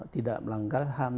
tidak melanggar ham